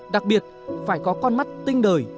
đặc biệt phải có con mắt tinh đời